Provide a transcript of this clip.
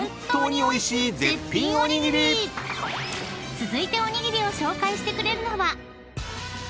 ［続いておにぎりを紹介してくれるのは］